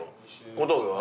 小峠は？